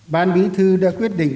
ban bí thư đã quyết định